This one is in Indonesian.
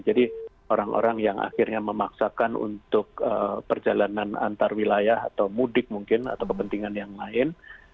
jadi orang orang yang akhirnya memaksakan untuk perjalanan antar wilayah atau mudik mungkin atau kepentingan yang lain